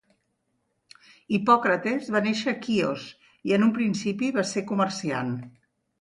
Hipòcrates va néixer a Quios i en un principi va ser comerciant.